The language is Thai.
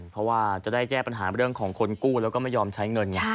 เพราะว่าจะได้แก้ปัญหาเรื่องของคนกู้แล้วก็ไม่ยอมใช้เงินไง